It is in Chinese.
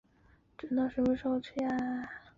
并且福尼也是尤文图斯战前最后一任队长。